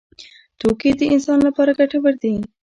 توکي د انسان لپاره ګټور دي.